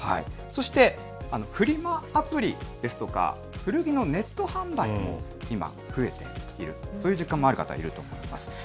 そしてフリマアプリですとか、古着のネット販売も今、増えているという、そういう実感がある方もいると思います。